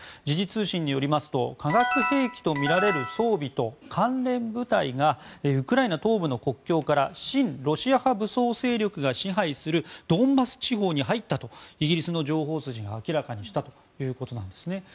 時事通信によりますと化学兵器とみられる装備と関連部隊がウクライナ東部の国境から親ロシア派武装勢力が支配するドンバス地方に入ったとイギリスの情報筋が明らかにしたということです。